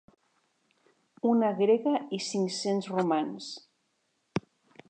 Una grega i cinc-cents romans.